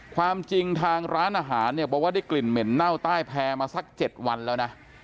ความจริงทางร้านอาหารเนี่ยบอกว่าได้กลิ่นเหม็นเน่าใต้แพร่มาสัก๗วันแล้วนะ